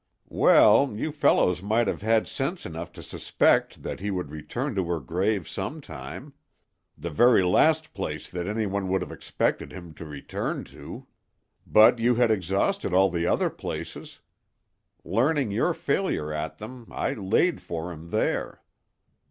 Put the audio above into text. "Well, you fellows might have had sense enough to suspect that he would return to her grave some time." "The very last place that anyone would have expected him to return to." "But you had exhausted all the other places. Learning your failure at them, I 'laid for him' there."